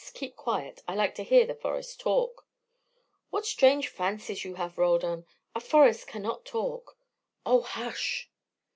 Keep quiet. I like to hear the forest talk." "What strange fancies you have, Roldan. A forest cannot talk." "Oh hush."